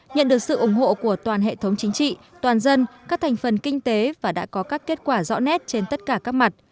nhận được sự ủng hộ của toàn hệ thống chính trị toàn dân các thành phần kinh tế và đã có các kết quả rõ nét trên tất cả các mặt